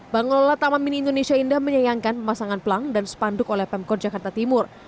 pengelola taman mini indonesia indah menyayangkan pemasangan pelang dan spanduk oleh pemkot jakarta timur